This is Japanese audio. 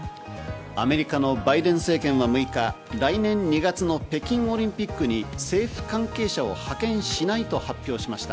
アメリカのバイデン政権は６日、来年２月の北京オリンピックに政府関係者を派遣しないと発表しました。